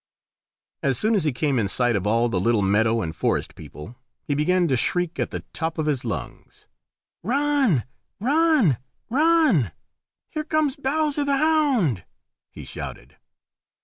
As soon as he came in sight of all the little meadow and forest people, he began to shriek at the top of his lungs. "Run! run! run! Here comes Bowser the Hound," he shouted.